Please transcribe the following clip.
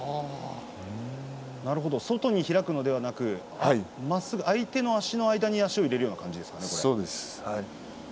なるほど、外に開くのではなくまっすぐ相手の足の間に足を入れる感じですか。